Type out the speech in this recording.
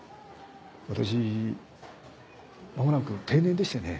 私間もなく定年でしてね。